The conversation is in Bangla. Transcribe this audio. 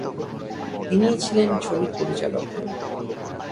তিনিই ছিলেন ছবির পরিচালক।